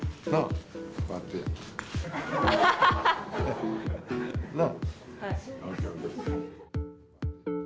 こうやって。なぁ。